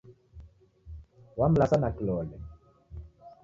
Wamlasa na kilole.